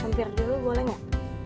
hampir dulu boleh gak